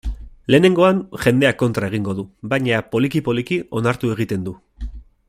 Lehenengoan, jendeak kontra egingo du, baina, poliki-poliki, onartu egiten du.